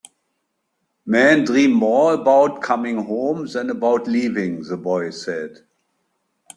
"Men dream more about coming home than about leaving," the boy said.